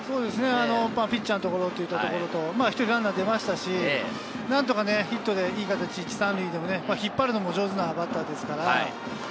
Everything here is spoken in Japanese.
ピッチャーのいったところで、１人ランナーも出ましたし、何とかヒットでいい形で、１・３塁でも引っ張るのも上手なバッターですから。